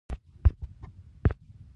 منډه د بدن دننه نظامونه برابروي